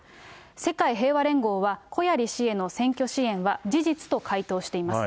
世界平和連合は、小鑓氏への選挙支援は事実と回答しています。